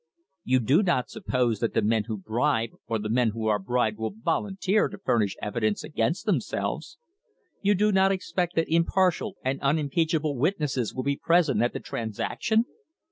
You do not suppose that the men who bribe or the men who are bribed will volunteer to furnish evidence against themselves ? You do not expect that impartial and unimpeachable witnesses will be present at the transaction